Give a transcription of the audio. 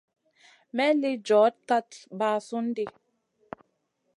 May lï djoda kat basoun ɗi.